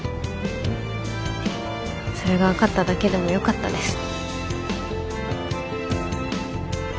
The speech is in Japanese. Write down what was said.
それが分かっただけでもよかったです。